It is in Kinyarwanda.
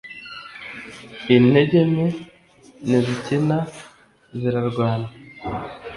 Intege nke ntizikina zirarwana